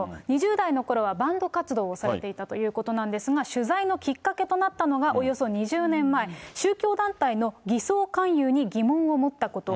２０代のころはバンド活動をされていたということなんですが、取材のきっかけとなったのが、およそ２０年前、宗教団体の偽装勧誘に疑問を持ったこと。